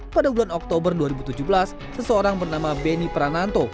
pada bulan oktober dua ribu tujuh belas seseorang bernama beni prananto